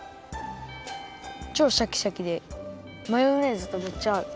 ちょうシャキシャキでマヨネーズとめっちゃあう！